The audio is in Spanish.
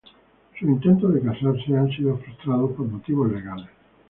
Sus intentos de casarse han sido frustrados por motivos legales.